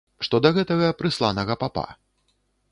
Што да гэтага прысланага папа.